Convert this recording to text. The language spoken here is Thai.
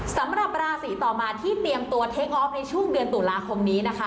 สำหรับราศีต่อมาที่เตรียมตัวเทคออฟในช่วงเดือนตุลาคมนี้นะคะ